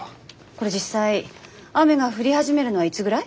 これ実際雨が降り始めるのはいつぐらい？